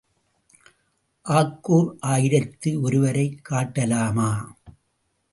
ஆக்கூர் ஆயிரத்து ஒருவரைக் காட்டலாமா?